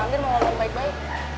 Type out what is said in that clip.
amir mau ngomong baik baik